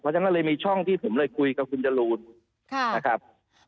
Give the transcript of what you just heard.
ฉะนั้นก็เลยมีช่องที่ผมเลยคุยกับคุณจรูนนะครับ